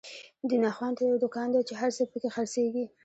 دين اخوان ته يو دکان دی، چی هر څه په کی خر څيږی